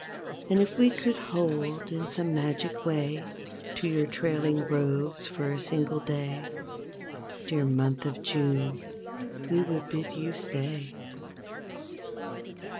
And if we could hold in some magic way To your trailing robes for a single day, Dear month of June, we would bid you stay.